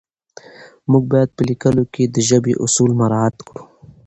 موږ باید په لیکلو کې د ژبې اصول مراعت کړو